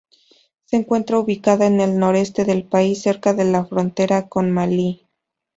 Se encuentra ubicada al noreste del país, cerca de la frontera con Malí.